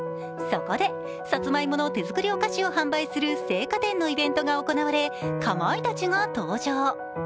そこで、さつまいもの手作りお菓子を販売する製菓店のイベントが行われ、かまいたちが登場。